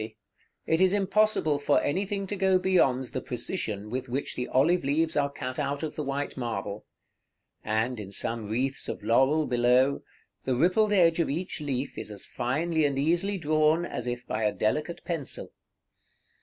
369), it is impossible for anything to go beyond the precision with which the olive leaves are cut out of the white marble; and, in some wreaths of laurel below, the rippled edge of each leaf is as finely and easily drawn, as if by a delicate pencil.